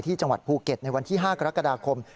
จังหวัดภูเก็ตในวันที่๕กรกฎาคม